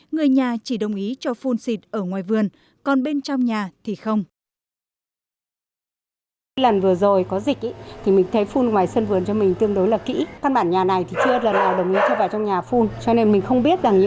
người nhà chỉ đồng ý cho phun xịt ở ngoài vườn còn bên trong nhà thì không